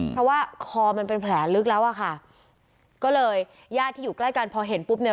เพราะว่าคอมันเป็นแผลลึกแล้วอะค่ะก็เลยญาติที่อยู่ใกล้กันพอเห็นปุ๊บเนี่ย